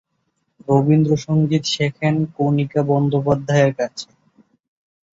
রবীন্দ্রসঙ্গীত শেখেন কণিকা বন্দ্যোপাধ্যায়ের কাছে।